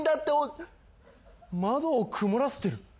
窓を曇らせてる？